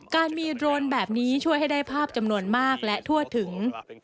การมีโดรนแบบนี้ช่วยให้ได้ภาพจำนวนมากและทั่วถึง